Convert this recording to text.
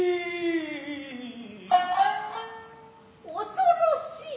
恐ろしい？